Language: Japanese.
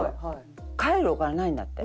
帰るお金ないんだって。